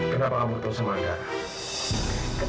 kenapa kamu ketemu sama andara